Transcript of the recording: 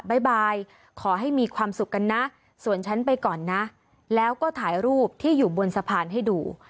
บายขอให้มีความสุขกันนะส่วนฉันไปก่อนนะแล้วก็ถ่ายรูปที่อยู่บนสะพานให้ดู